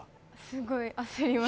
すごい焦りました。